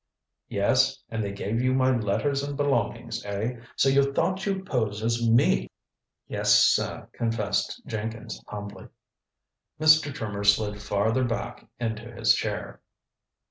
"Yes? And they gave you my letters and belongings, eh? So you thought you'd pose as me?" "Yes, sir," confessed Jenkins humbly. Mr. Trimmer slid farther back into his chair.